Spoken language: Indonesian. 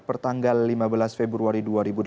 pertanggal lima belas februari dua ribu delapan belas